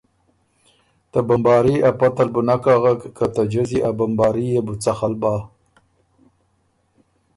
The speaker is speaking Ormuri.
ته بمباري ا پته ل بُو نک اغک که ته جزی ا بمباري يې بُو څخل بۀ۔